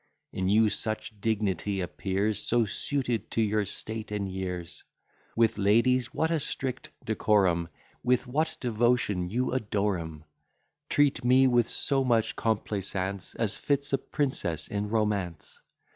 In you such dignity appears, So suited to your state and years! With ladies what a strict decorum! With what devotion you adore 'em! Treat me with so much complaisance, As fits a princess in romance!